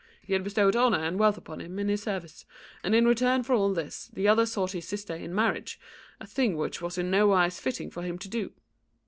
He had bestowed honour and wealth upon him in his service, and in return for all this the other sought his sister in marriage, a thing which was in nowise fitting for him to do."